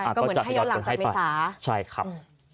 ก็เหมือนให้ยอดหลังจากอีสาใช่ครับ